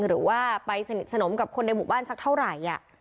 หรือว่าไปสนิทสนมกับคนในหมู่บ้านสักเท่าไหร่